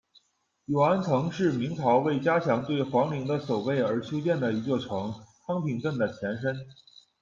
永安城是明朝为加强对皇陵的守备而修筑的一座城，昌平镇的前身。